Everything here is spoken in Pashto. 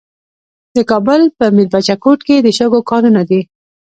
د کابل په میربچه کوټ کې د شګو کانونه دي.